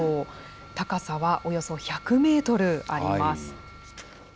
高さはおよそ１００メートルあります。